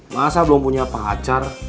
masa belum punya pacar